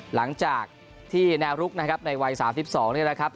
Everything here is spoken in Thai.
หลังจากที่แนวลุกนะครับในวัย๓๒นี่แหละครับ